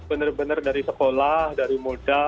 benar benar dari sekolah dari muda